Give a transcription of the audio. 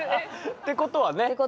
ってことはね。